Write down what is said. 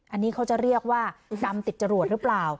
อันนี้เขาจะเรียกว่าดำติดจรวดหรือเปล่า